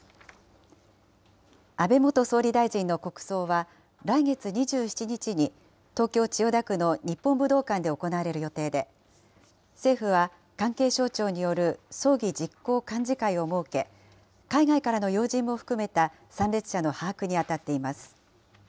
安倍元総理大臣の国葬は、来月２７日に東京・千代田区の日本武道館で行われる予定で、政府は関係省庁による葬儀実行幹事会を設け、海外からの要人も含めた参列者の把握に当たっています。